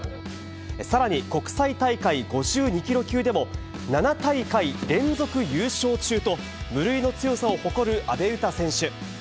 さらに国際大会５２キロ級でも、７大会連続優勝中と、無類の強さを誇る阿部詩選手。